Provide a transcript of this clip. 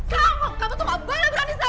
kamu kamu tuh gak boleh berani sama aku